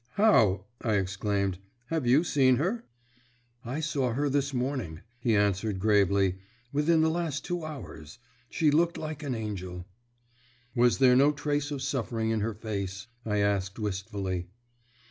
"How?" I exclaimed. "Have you seen her?" "I saw her this morning," he answered gravely, "within the last two hours. She looked like an angel." "Was there no trace of suffering in her face?" I asked wistfully.